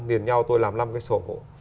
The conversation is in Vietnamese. điền nhau tôi làm năm cái sổ hộ